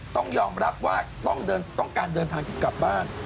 ต้องยอมรับว่าต้องการเดินทางที่กลับบ้าน